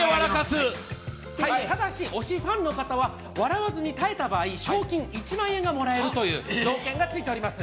ただし推しファンの方が笑わずに耐えた場合賞金１万円がもらえるという条件がついております。